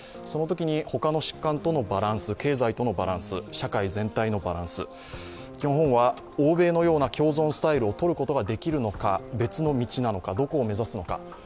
そのときに他の疾患とのバランス、経済とのバランス、社会全体のバランス、日本は欧米のような共存スタイルがとれるのか、別の道なのか、どこを目指すのか。